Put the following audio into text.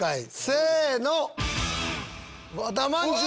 せの！